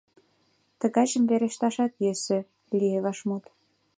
— Тыгайжым верешташат йӧсӧ, — лие вашмут.